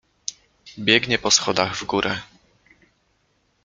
Biegnie po schodach w górę.